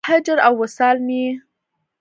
هجر او وصال مې یې